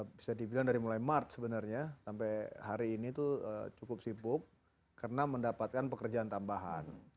bisa dibilang dari mulai maret sebenarnya sampai hari ini itu cukup sibuk karena mendapatkan pekerjaan tambahan